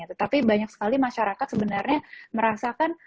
tetapi banyak sekali masyarakat sebenarnya merasakan